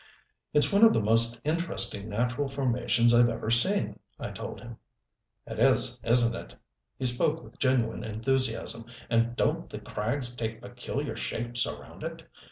"It's one of the most interesting natural formations I've ever seen," I told him. "It is, isn't it?" He spoke with genuine enthusiasm. "And don't the crags take peculiar shapes around it?